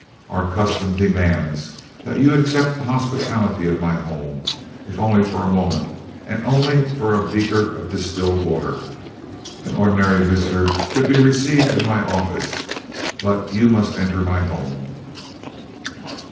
Our custom demands that you accept the hospitality of my home, if only for a moment and only for a beaker of distilled water. Any ordinary visitor could be received in my office, but you must enter my home."